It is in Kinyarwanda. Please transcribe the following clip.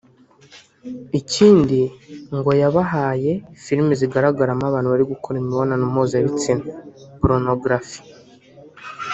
Ikindi ngo yabahaye film zigaragaramo abantu bari gukora imibonano mpuzabitsina (pornography)